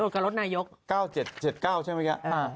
กับรถนายก